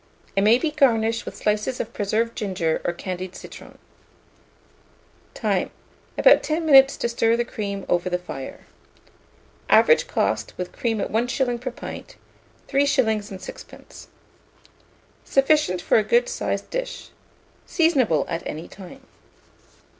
It may be garnished with slices of preserved ginger or candied citron. Time. About 10 minutes to stir the cream over the fire. Average cost, with cream at 1s. per pint, 3s. 6d. Sufficient for a good sized dish. Seasonable at any time.